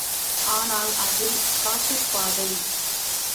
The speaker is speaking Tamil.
ஆனால், அது காட்டுப்பாதை.